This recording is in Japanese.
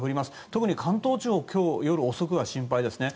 特に関東地方今日夜遅くが心配ですね。